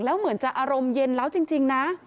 แล้วเหมือนจะอารมณ์เย็นแล้วจริงนะ